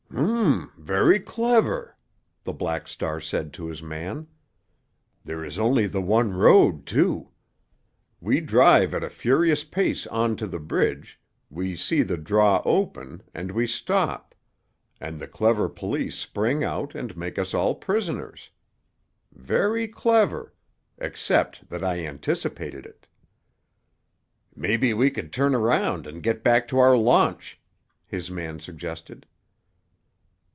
"Um! Very clever!" the Black Star said to his man. "There is only the one road, too. We drive at a furious pace on to the bridge; we see the draw open, and we stop—and the clever police spring out and make us all prisoners. Very clever—except that I anticipated it." "Maybe we could turn around and get back to our launch," his man suggested.